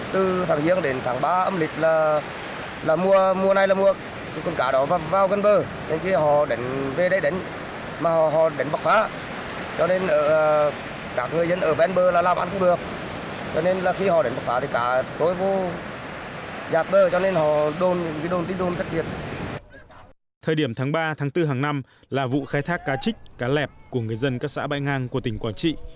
thời điểm tháng ba tháng bốn hàng năm là vụ khai thác cá chích cá lẹp của ngư dân các xã bay ngang của tỉnh quảng trị